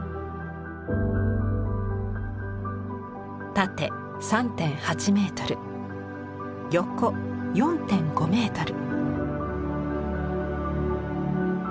縦３．８メートル横４．５メートル。